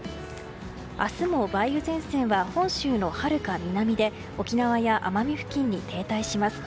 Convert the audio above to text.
明日も梅雨前線は本州のはるか南で沖縄や奄美付近に停滞します。